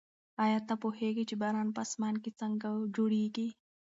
ایا ته پوهېږې چې باران په اسمان کې څنګه جوړېږي؟